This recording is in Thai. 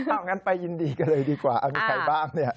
เอางั้นไปยินดีกันเลยดีกว่ามีใครบ้างเนี่ย